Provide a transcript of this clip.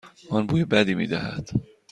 آن بوی بدی میدهد.